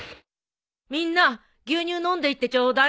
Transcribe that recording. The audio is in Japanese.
みんな牛乳飲んでいってちょうだい。